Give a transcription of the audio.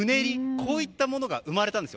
こういったものが生まれたんです。